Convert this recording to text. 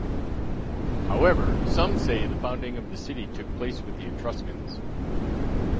However, some say that the founding of the city took place with the Etruscans.